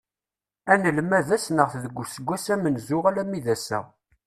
Anelmad-a ssneɣ-t deg uesggas amenzu alammi d ass-a.